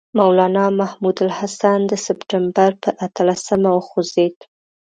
مولنا محمود الحسن د سپټمبر پر اتلسمه وخوځېد.